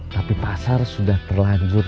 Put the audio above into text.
tapi pasar sudah terlanjur